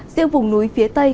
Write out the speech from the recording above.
riêng vùng núi phía tây